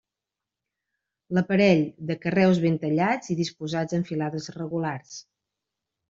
L'aparell, de carreus ben tallats i disposats en filades regulars.